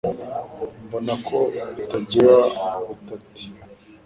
Mbona ko itagira ubutati